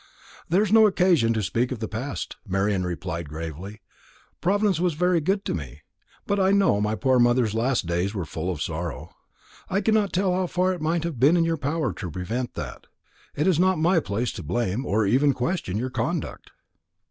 "There is no occasion to speak of the past," Marian replied gravely. "Providence was very good to me; but I know my poor mother's last days were full of sorrow. I cannot tell how far it might have been in your power to prevent that. It is not my place to blame, or even to question your conduct."